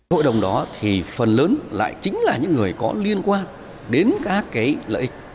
hội đồng đó thì phần lớn lại chính là những người có liên quan đến các cái lợi ích